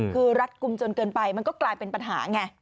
คือรัดกลุ่มจนเกินไปมันก็กลายเป็นปัญหาไง